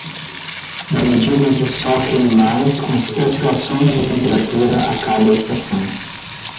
Na medida em que sofrem mais com as oscilações de temperatura a cada estação